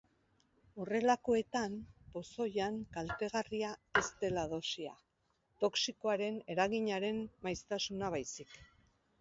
Horrelakoetan pozoian kaltegarria ez dela dosia, toxikoaren eraginaren maiztasuna baizik.